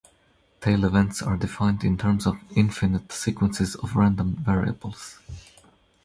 Tail events are defined in terms of infinite sequences of random variables.